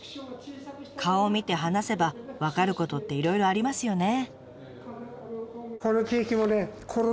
顔を見て話せば分かることっていろいろありますよね。